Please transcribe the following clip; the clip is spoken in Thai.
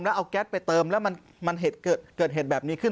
แล้วเอาแก๊สไปเติมแล้วมันเกิดเหตุแบบนี้ขึ้น